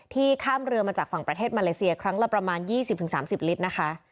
ข้ามเรือมาจากฝั่งประเทศมาเลเซียครั้งละประมาณ๒๐๓๐ลิตรนะคะ